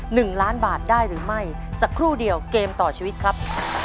หนึ่งล้านบาทได้หรือไม่สักครู่เดียวเกมต่อชีวิตครับ